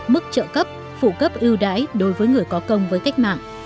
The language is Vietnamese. mức trợ cấp phụ cấp ưu đãi đối với người có công với cách mạng